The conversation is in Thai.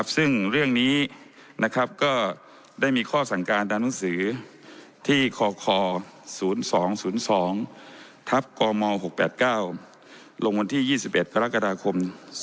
ซึ่งเรื่องนี้ก็ได้มีข้อสั่งการตามหนังสือที่คค๐๒๐๒ทัพกม๖๘๙ลงวันที่๒๑กรกฎาคม๒๕๖